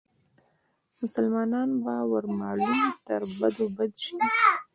مسلمان به ور معلوم تر بدو بد شي